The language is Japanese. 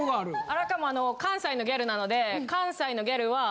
荒川も関西のギャルなので。